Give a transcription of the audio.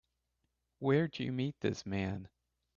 Where'd you meet this man?